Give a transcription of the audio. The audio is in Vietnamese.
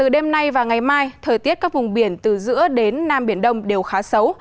đêm nay và ngày mai thời tiết các vùng biển từ giữa đến nam biển đông đều khá xấu